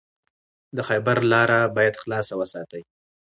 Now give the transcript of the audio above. د خیبر لاره باید خلاصه وساتئ.